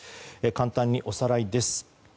簡単におさらいです。